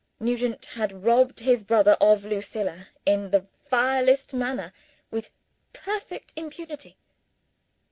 Nugent had robbed his brother of Lucilla, in the vilest manner, with perfect impunity!